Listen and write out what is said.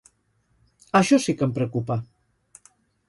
Això sí que em preocupa.